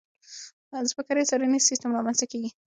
ځمکنی څارنیز سیستم رامنځته کېږي.